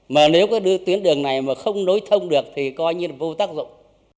mà nếu có đưa tuyến đường này mà không nối thông được thì coi như là vô tác dụng